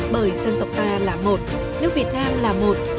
bởi dân tộc ta là một nước việt nam là một